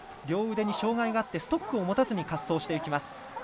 両腕に障がいがあってストックを持たずに滑走します。